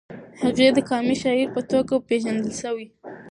هغه د قامي شاعر په توګه پېژندل شوی.